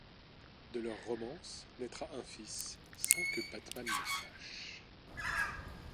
De leur romance naîtra un fils sans que Batman le sache.